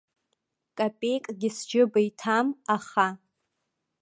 Капеикгьы сџьыба иҭам, аха.